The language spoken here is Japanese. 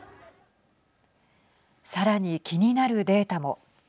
さらに気になるデータも。